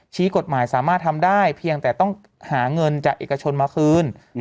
กฎหมายสามารถทำได้เพียงแต่ต้องหาเงินจากเอกชนมาคืน